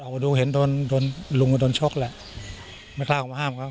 มาดูเห็นโดนโดนลุงก็โดนชกแหละไม่กล้าออกมาห้ามเขา